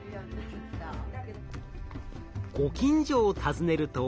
ご近所を訪ねると。